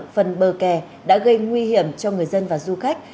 phần bờ kè đã gây nguy hiểm cho người dân và du khách